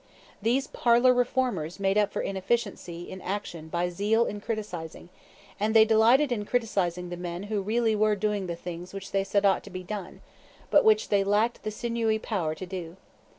These parlor reformers made up for inefficiency in action by zeal in criticising; and they delighted in criticising the men who really were doing the things which they said ought to be done, but which they lacked the sinewy power to do.